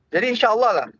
jadi insya allah lah